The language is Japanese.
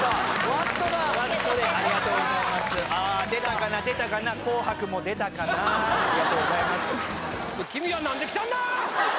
ありがとうございますあ出たかな出たかな「紅白」も出たかなありがとうございます